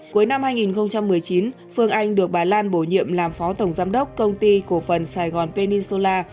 cuối năm hai nghìn một mươi chín phương anh được bà lan bổ nhiệm làm phó tổng giám đốc công ty cổ phần sài gòn pennisola